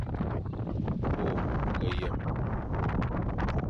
Bo ke yeme,